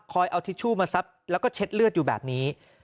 เอาทิชชู่มาซับแล้วก็เช็ดเลือดอยู่แบบนี้